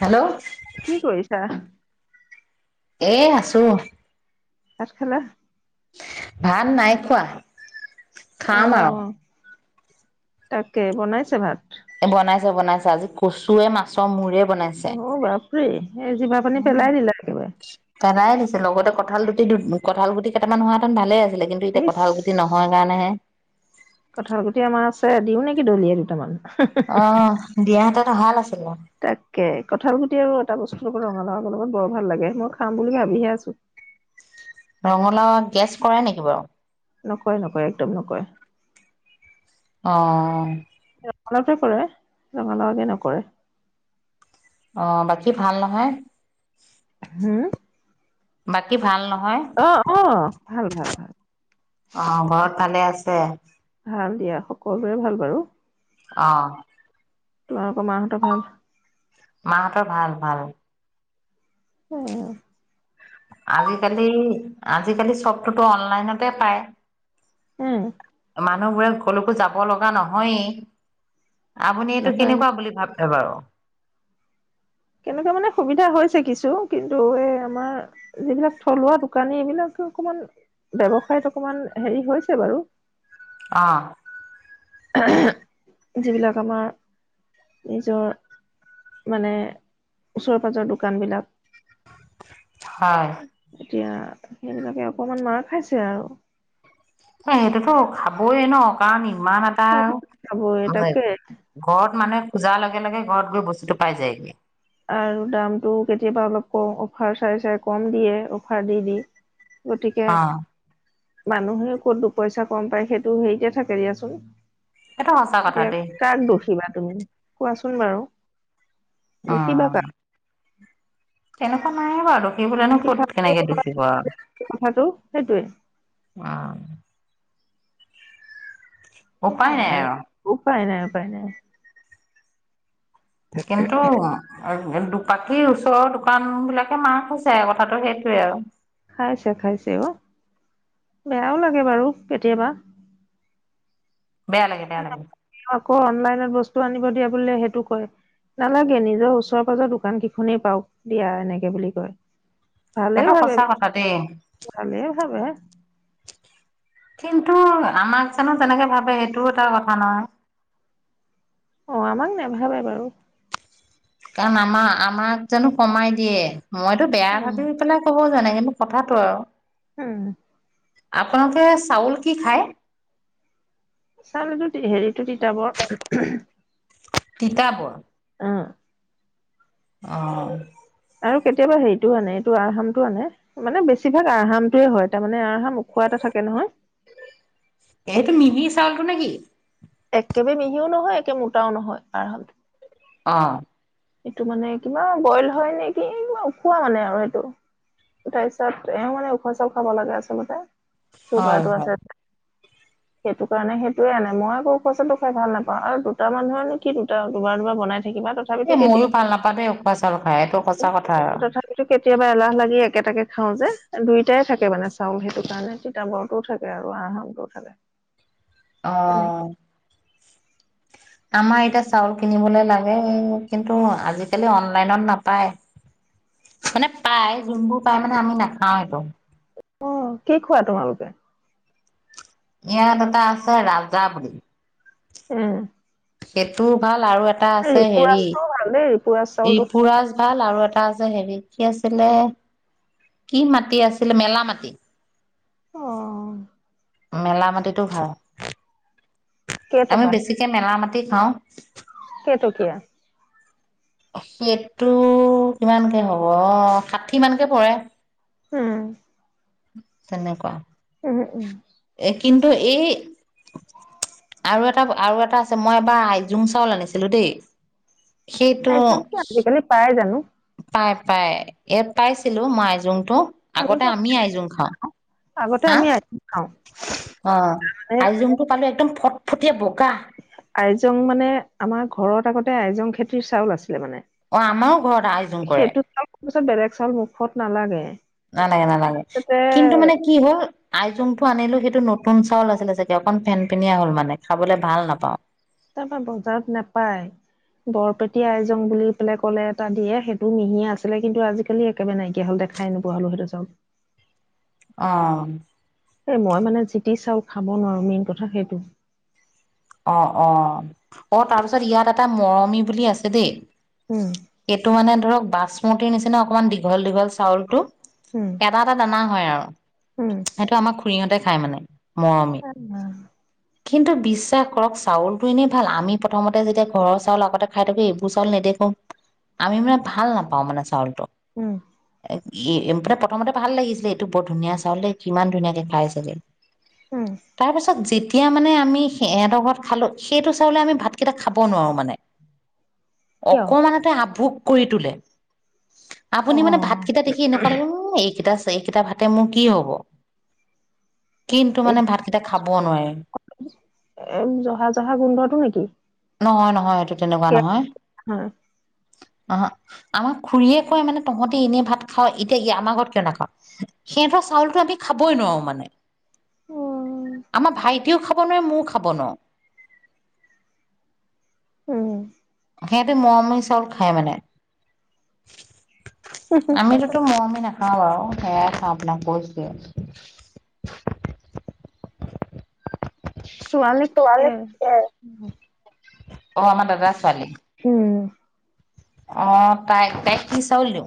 Hello কি কৰিছা? এ আছো। ভাত খালা? ভাল নাই খোৱা। খাম আৰু অ', তাকে বনাইছে ভাত? বনাইছে বনাইছে আজি কচুৱে, মাছৰ মূৰে বনাইছে অ বাপৰে, এই জিভা পানী পেলাই দিলা একেবাৰে কঁঠাগুটি কেইামান হোৱাহেতেন ভালে আছে ছিলে কিন্তু এতিয়া ইচ। কঁঠালগুটি নোহোৱা কাৰণেহে কঁঠাল গুটি আমাৰ আছে, দিওঁ নেকি দলিয়ে দুটামান অ দিয়াাহত ভাল আছে তাকে কঠাল গুতিি আৰু এটা বছৰ লগত ৰঙা ৰঙা লগত বৰ ভাল লাগে মই খাম বুলি ভাবিহে আছো ৰঙলা গেছ কৰাই নেকি বাৰু নকয় নকয় একদম নকয় অ ঙালা কৰে ৰঙালা আগে নকৰে অ বাকী ভাল নহয় হা বাকী ভাল নহয় অ অ ভাল ভাল ভাল অ ঘৰত ভালে আছে ভাল দিয়া কবে ভাল বাৰু অ তোমালোকৰ মাহঁত ভাল ততৰ ভাল ভাল উ আজিকালি আজিকালি চবটোতো অনলাইনতে পায় আহ মানুহবোৰে কলৈকো যাব লগা নহয়েই আপুনি এইটো নহয় কেনেকুৱা বুলি ভাবেছে বাৰু কেনেকুৱা মানে সুবিধা হৈছে কিছু কিন্তু এই আমাৰ যিবিলাক থলুৱা দোকানী এইবিলাক অকমান ব্য্ৱসায়ত অকমান হেৰি হৈছে বাৰু অঁ যিবিলাক আমাৰ নিজৰ মানে ওচৰে পাজৰ দোকানবিলাক হয় এতিয়া সেইবিলাকে অকমান মাৰ খাইছে আৰু এ সেইটোতো খাবয়ই ন ক ইমান এটা খাবই তাকে ঘৰত মানে পূজাৰ লগে লগে ঘৰত গৈ বস্তুতটো পাই যায়গি আৰু দামটো কেতিয়াবা অলপ ক অফাৰ চাই চাই কম দিয়ে অফাৰ দি দি গতিকে অ মানুহেও ক'ত দুপইচা কম পায় সেইটো হেৰিতে থাকে দিয়াচোন সেইটো সঁচা কথা এতিয়া দেই কাক দখিবা তুমি কোৱাচোন বাৰু অ দোষিবা কাক তেনেকুৱা নাইে বাৰু থাকিবলে নো ক'ত সিফালেও কেনেকে হয় দুখিব অঁ কথাটো সেইটোৱে উপায় সেই নাই আৰু উপায় নাই। উপায় নাই। কিন্তু। টো বাকিৰ ওচৰৰ দোকান বিলাকে মাৰ খাইছে কথাটো সেইটোৱে আৰু। খাইছে খাইছে অহ বেয়াও লাগে বাৰু কেতিয়াবা। বেয়া লাগে বেয়া লাগে। আকৌ অনলাইনত বস্তু আনিব দিয়া বুলে সেইটো কয় নালাগে নিজৰ ওচৰে পাজৰে দোকান কেইখনেই পাওক দিয়া এনেকে বুলি কয়। ভালে সেইটো ভাবে সঁচা কথা দেই ভালে ভাবে। কিন্তু আমাক জানো তেনেকে ভাবে সেইটোও এটা কথা নহয়। অহ আমাক নেভাবে বাৰু। কাৰণ আমাক আমাক জানো কমাই দিয়ে। মইতো বেয়া উম ভাবি পেলাই ক'ব। এনেকেনো কথাটো আৰু। হম। আপোনালোকে চাউল কি খায়‌‌। চাউলটোত হেৰিটো তিতাবৰ। তিতাবৰ। অহ। অহ। আৰু কেতিয়াবা হেৰিটোও আনে এইটো আৰহামটো আনে মানে বেছিভাগ আৰহামটোয়ে হয় তাৰমানে আহাম উখোৱা এটা থাকে নহয়। এইটো মিহি চাউলটো নেকি। একেবাৰে মিহিও নহয় একে মোটাও নহয় আৰহাম। অহ। এইটো মানে কিবা বইল হয় নেকি কিবা উওখোৱা মানে আৰু সেইটো তাৰ পিছত এ মানে উওখোৱা চব খাব লাগে আচলতে। হয় চুগাৰটো হয়। আছে। সেইটো কাৰণে সেইটোয়ে আনোই মই আকৌ উখোৱা চাউলটো খাই ভাল নাপাওঁ আৰু দুটা মানুহৰ নো কি দুটা দুবাৰ দুবাৰ বনাই। থাকিবা এ তথাপিতো ময়ো কেতিয়াবা। ভাল নাপাও দেই উখোৱা চাউল খাই এইটো সঁচা কথা আৰু। তথাপিতো কেতিয়াবা এলাহ লাগি একেটাকে খাও যে দুইটাই থাকে মানে চাউল সেইটো কাৰণে তিতাবৰটোও থাকে আৰু আৰহামটোও থাকে। তেনেকে অহ। আমাৰ এতিয়া চাউল কিনিবলে লাগে কিন্তু আজিকালি অনলাইনত নাপায় মানে পায় যোনবোৰ পায় মানে আমি নাখাও এইটো। অহ কি খোৱা তোমালোকে। ইয়াত এটা আছে ৰাজা বুলি। উম। সেইটোও ভাল। আৰু এটা আছে হেৰি ৰিপুৰাজটোও ভাল দেই ৰিপুৰাজ চাউলটো ৰিপুৰাজ ভাল আৰু এটা। তাৰপিছত হেৰি কি আছিলে কি মাটি আছিলে মেলা মাটি। অ মেলা মাটিটো ভাল। আমি কেইটকা বেছিকে মেলা মাটি। টি খাওঁ কেটকীয়া? সেইটটো কিমানকে হ'ব ষাঠি মানকে পৰে। উম। তেনেকুৱা। ওহো উম। এ কিন্তু এই আৰু এটা আৰু এটা আছে মই এবাৰ আইজুং চাউল আনিছিলো দেই। সেইটো আইজুংটো আজিকালি পাই জানো? পাই পাই এ পাইছিলো ম আইজুং আগতে আমিতো আমি আইজুং খাওঁ, আগতে হা আমি আইজং খাওঁ অ' মানে আইজোংটো পালো একদম ফটফটিয়া ব কা যুং মানে আমাৰ ঘৰত আগতে আইজং খেতিৰ চাউল আছে অ', আমাৰো ঘৰত আইজুং কৰে। তাৰপিছত বেলেগ চাউল মুখত নালাগে। নালাগে নালাগে তাতে কিন্তু মানে কি হ'ল আইজোংটো আনিলো সেই এইটো নতুন চাউল আছিলে চাগে অকন ফেন পিনিয়ীয়া হ'ল মানে খাবলৈ ভাল নাপাওঁ। তাৰপৰা বজাৰত নাপাই, বৰপেটি আই যং বুলি পেলাই কলে এটা দিয়ে সেইটো মিহিয়া আছিলে, কিন্তু আজিকালি একেবাৰে নাইকিয়া হ'ল দেখাই নোপোৱা হালো সেইটো চাউল। অ। এ মই মানে যিটি চাউল খাব নোৱাৰো মেইন কথা সেইটো। অ', অ', অ' তাৰপিছত ইয়াত এটা মৰমি বুলি আছে দেই। উম এইটো মানে ধৰক বাচমতিৰ নিচিনা অকণমান দীঘল দীঘল চাউলটো। উম এটা এটা দানা হয় আৰু, সেইটো আমাৰ খুৰীহঁতে খাই মানে মৰমি উ। কিন্তু বিশ্বাস কৰক চাউলটো এনে ভাল আমি প্ৰথমতে যেতিয়া ঘৰৰ চাউল আগতে খাই থাকো এইবোৰ চাউল নেদেখো, আমি মানে ভাল নাপাওঁ মানে চাউলতটো। উম। এ-এম প্ৰথমতে ভাল লাগিছিলে এইটো বৰ ধুনীয়া চাউল দে কিমান ধুনীয়াকে খাই চাগে। উম তাৰপিছত যেতি এতিয়া মানে আমি সেহেত তৰ ঘৰত খালো সেইটো চাউলে আমি ভাতকেইটা খাব নোৱাৰো মানে। কিয় অকমানতে আভুক কৰি তোলে। আপুনি মানে ভাতকেইটা দেখি এনেকুৱা লাগে, উম এক কেইটা ছেকেইটা ভাত মোৰ কি হ'ব কিন্তু অ মানে ভাতকেইটা খাব নোৱাৰে। এ জহা - জহা গোন্ধটো নেকি? নহয় - নহয় এইটো। তেনেকুৱা নহয়। হয় আহ, আমাক খুৰীয়ে কয় মানে তহত এনে ভাত খাও এতিয়া আমাৰ ঘৰত কিয় নাখাও সিহতৰ চাউলতো আমি খাবই নোৱাৰো মানে আমাৰ ভাইটিও খাব নোৱাৰে মই ও খাব নোৱাৰো। উম। সিহতে মৰমি চাউল খায় মানে। আমিততো মৰমি না হা ব সেয়া আপোনাক কৈছোৱে ছোৱালী এ [inaudible] অহ ' আমাৰ দাদাৰ ছোৱালী। উম অহ '' তাইক-তাইক কি চাউল দিও।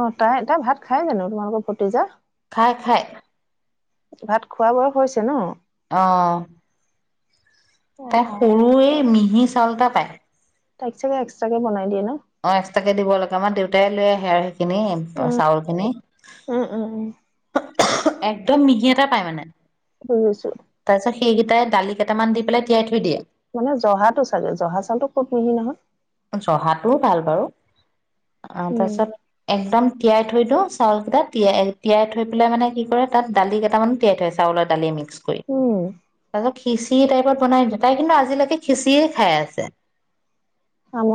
অহ 'তাই এটা ভাত খাই জানো তোমালোকৰ ভতিজা? খায়-খায়। ভাত খোৱা বোৱা হৈছে ন? অহ ', তাই সৰুয়ে মিহি চলটা পায়। তাইক চাগে এক্সট্ৰাকে বনাই দিয়ে ন? অহ ' এক্স তাকে দিব লাগে আমাৰ দেউতাই লৈ আহে আৰু কিনি উম চাউল কিনি উম উম উম একদম মিহি এটা পাই মানে শুই আছো। তাৰপিছত সেইকেইটাই দালি কেইটামান দি পেলাই তিয়াই থৈ দিয়ে। মানে জহাটো চাগে জহা চাউলটো ক'ত মিহি নহয়। জহাটোও ভাল বাৰু। অহ ' উম তৰপিছত। একদম তিয়াই থৈ দিও চাউলকেইটা তিয়াই-তিয়াই থৈ পেলাই মানে কি কৰে তাত দালি কেইটামান তিয়াই থয় চাউলৰ দালি মিক্স। উম। তাৰ পিছত খিচি টাইপত বনাইছে তাই কিন্তু আজিলৈকে খিচিয়ে খাই আছে।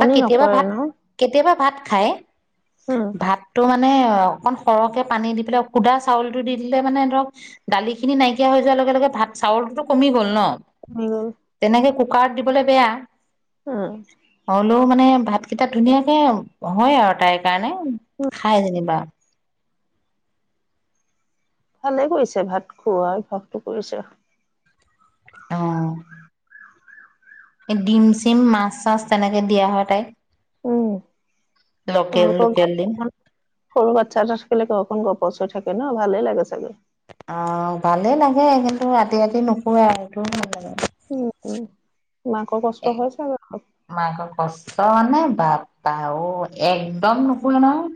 বা কেতিয়াবা নকৰে ন? ভাত - কেতিয়াবা ভাত খায়। উম ভাতটো মানে? মানে অকন সৰহকে পানী দি পেলাই সুধা চাউলটো দি দিলে মানে, ধৰক দালি খিনি নাইকিয়া হৈ যোৱাৰ লগে লগে ভাত চাউলটো কমি গ'ল নহ। হৈ গ'ল। কাৰ্ড দিবলে বেয়া। উম। হলেও মানে, ভাত কেইটা ধুনীয়াকে হয় আৰু তাইৰ কাৰণে। খাই যেনিবা? ভালে কৰিছে ভাত খুৱাই, ভাতটো কৰিছে। অহ। ডিম, চিম মাছ -চাছ তেনেক। হে দিয়া হয় তাইক। উম। লোকেল তোমালোকৰ লোকেল ঘৰত ডিম কোন, সৰু বাচ্ছা এটা থাকিলে ঘৰ খন। কচু থাকে ন ভালে লাগে চাগে। অ' ভালেই লাগে, কিন্তু ৰাতি ৰাতি নোশুৱে আৰু ভাল লাগে। উম মাকৰ কষ্ট হৈছে আৰু অলপ। চ নে বাপা অ' একদম নুশুনে নহয়।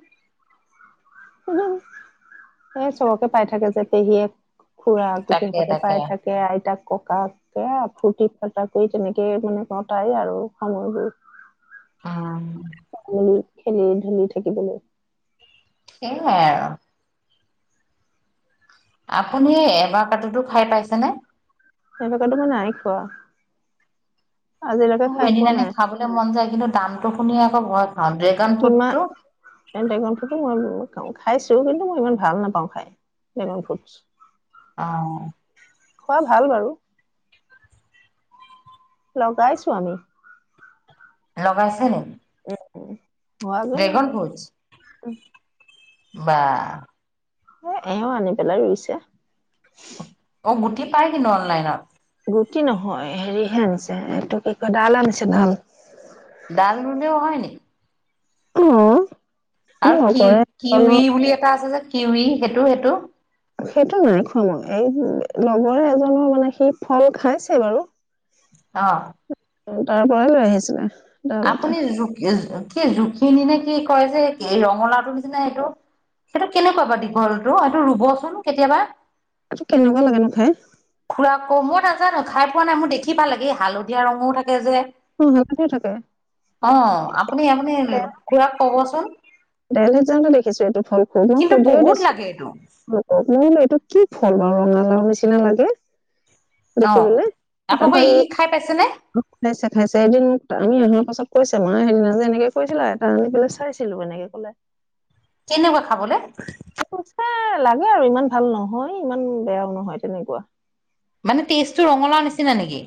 এই চবকে পাই থাকে যে, পেহীয়ে। খুৰা, তাকে গোটেইসোপাকে পাই তাকে থাকে আইতাক। ককাকে ফূৰ্তি-ফাৰ্তা কৰি তেনেকে মানে কতাই আৰু, সময়বোৰ। উম অ। খেলি, ঢেলি থাকিবলৈ। সেইয়াই আৰু আপুনি এবাকাদটো খাই পাইছেনে? এবকাদু মই নাই খোৱো। অ এনে জানে খাবলৈ মন যায়, কিন্তু দামতটো শুনি আকৌ ঘৰত। কিমা এ ড্ৰেগান ফুদটো মই। খাইছো, কিন্তু মই ইমান ভাল নাপাওঁ খাই ড্ৰেগন ফুদছ্। অ। ভাল বাৰু। লগাইছো আমি। লগাইছে নে? উম। হোৱাগে নাই। ফ্ৰুটছ বা। এ এও আনি পেলাই ৰুইছে। গুটি পাই কিনো, অনলাইনত। গুটি নহয় হেৰিহে আনিছে, এইটো কি কয় ডাল আনিছে, ডাল। উ আহ আৰু কি কিউ ই বুলি এটা আছে যে কিউৱি সেইটো সেইটো সেইটো নাই খোৱা মই এই লগৰে এজনৰ মানে সি ফল খাইছে বাৰু অ তাৰ পৰাই লৈ আহিছিলে ডাল এটা আপুনি কি জুখি নি নে কি কয় যে এই ৰঙালাওৰ নিচিনা এইেইটো সেইটো কেনেকুৱা বা দীঘল টো সটো ৰুবচোন কেতিয়াবা কেনেকুৱা লাগে নো খাই খুৰা কমত নাজানো খাই পোৱা নাই মোৰ দেখি ভাল লাগে হালধীয়া ৰঙোও থাকে যে অ হালধীয়া থাকে অ আপুনি আপুনি খুৰাকৰাক কবচোন ডাইলে যাতে দেখিছো এইটো ফল খুব মই কিন্তু সুধিয়ে বহুত দিছো লাগে এইটো মোৰ এইটো কি ফল অ ৰঙালাও নিচিনা লাগে অ দেখিবে আপোনালোকৰ তাৰপৰা ই খাই পাইছেনে খাইছে খাইছে এদিন আমি আহক চবত কছে মে সেইদিনা যে এনেকে কৈছিলা এটা আনি পেল চাইছিলো এনেকে কলে কেনেকুৱা খাবলৈ সি কৈছে লাগে আৰু ইমান ভাল নহয় ইমান বেয়াও নহয় তেনেকুৱা মানে টেষ্ট টো ৰঙালাও নিচিনা নেকি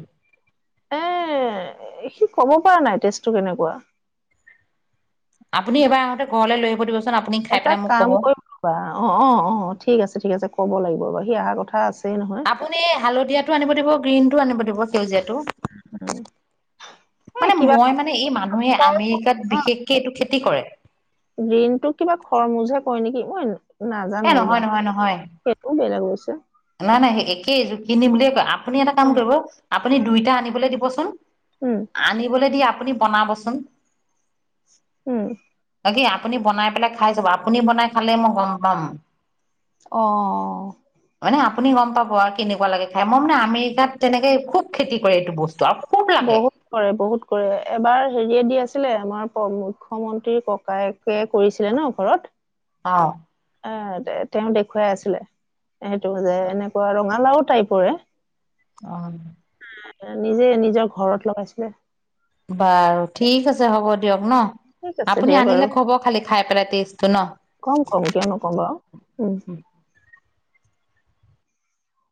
এ সি কব পৰা নাই তেজটো কেনেকুৱা আপুনি এবাৰ আহোঁতে ঘৰলৈ লৈ আহিবুতিিব এটা কাম কৰিবা অ অ অ ঠিক আছে ঠিক আছে ক'ব লিব বাৰু সি অহাৰ কথা আছে আপুনি হালধীয়াটো আনিব দিব গ্ৰীণ আনিব দিব সেজীয় এ মানে কিবা মই মানে এই মানুহে আমেৰিকাত অ', বিশেষকে এইটো খেতি কৰে গ্ৰীণটো কিবা খৰমুজহে কয় নেকি মই এ নাজানো নহয় ৰবা নহয় নহয় সেইটোও বেলেগৈ হৈছে নহয় নাই একেই জোৰ কিনম বুলিয়ে কয় আপুনি এটা কাম উম, কৰিব আপুনি দুইটা আনিবলৈ দিবচোন উম, আনিবলৈ দিিয় আ আপুনি বনাবচোন উম, আাকি আপুনি বনাই পেলাই চাব আপুনি বনাই খালেই মই গম বাম অ'। মানে আপুনি গম পাব আৰু কেনেকুৱা লাগে খাই, মই মানে আমেৰিকাত তেনেকে খুব খেতি কৰে এইটো বস্তু, আৰু খুব লাগে বহুত কৰে, বহুত কৰে, এবাৰ হেৰিয়ে দি আছ ছিলে, আমাৰ প্ৰ-মুখ্যমন্ত্ৰীৰ ককায়েকে কৰিছিলে ন ঘৰত। অঁ। এ, তে-তেওঁ দেখুৱাই আছিলে, সেইটো যে, এনেকুৱা ৰঙালাও টাইপৰে। অঁ'। নিজে নিজৰ ঘৰত লগাইছিলে। বাৰু ঠিক আছে, হ'ব দিয়ক, ন? ঠিক আছে আপুনি দিয়া বাৰু আনিলে ক'ব খালি, খাই পেলাই টেষ্টটো ন? কম কম কিয় নকম বাৰু উম